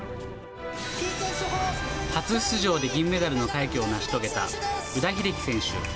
初出場で銀メダルの快挙を成し遂げた宇田秀生選手。